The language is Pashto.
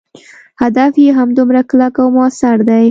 هدف یې همدومره کلک او موثر دی.